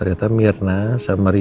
ternyata mirna sama riza